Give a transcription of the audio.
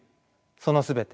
その全て？